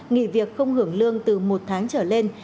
nghỉ việc không hưởng lương từ một tháng trở lên